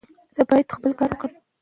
د نجونو ښوونه تفاهم زياتوي.